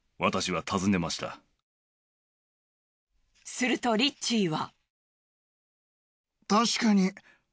するとリッチーは。